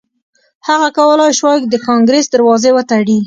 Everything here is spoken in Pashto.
هغه کولای شوای د کانګریس دروازې وتړي.